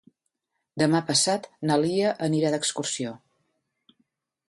Demà passat na Lia anirà d'excursió.